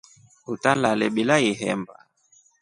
Utalale bila ihemba.